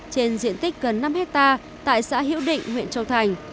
trên diện tích gần năm hectare tại xã hữu định huyện châu thành